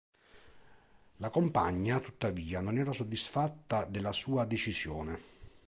La compagnia, tuttavia, non era soddisfatta della sua decisione.